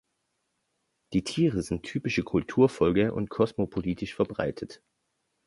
Die Tiere sind typische Kulturfolger und kosmopolitisch verbreitet.